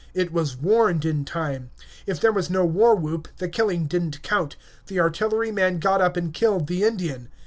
It was warned in time. If there was no war whoop, the killing did n't count; the artillery man got up and killed the Indian.